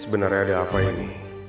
sebenernya ada apa ini